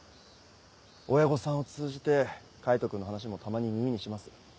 親御さんを通じて海斗君の話もたまに耳にします。